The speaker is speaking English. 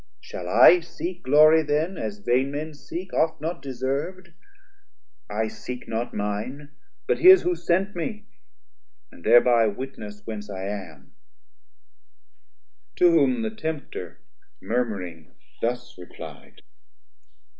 Shall I seek glory then, as vain men seek Oft not deserv'd? I seek not mine, but his Who sent me, and thereby witness whence I am. To whom the Tempter murmuring thus reply'd.